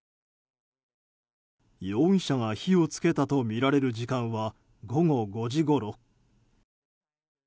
容疑者が、火を付けたとみられる時間は午後５時ごろ。